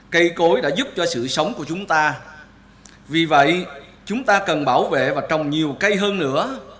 cây cối đã giúp cho sự sống của chúng ta vì vậy chúng ta cần bảo vệ và trồng nhiều cây hơn nữa